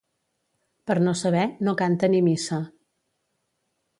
Per no saber, no canta ni missa.